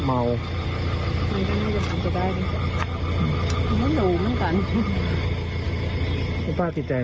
ไม่ติดใจ